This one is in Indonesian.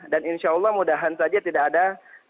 dan insya allah mudah mudahan saja tidak ada